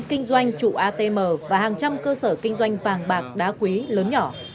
kinh doanh trụ atm và hàng trăm cơ sở kinh doanh vàng bạc đá quý lớn nhỏ